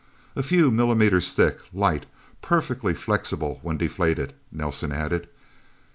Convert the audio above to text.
"A few millimeters thick, light, perfectly flexible when deflated," Nelsen added.